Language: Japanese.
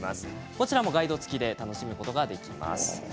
こちらもガイドつきで楽しむことができます。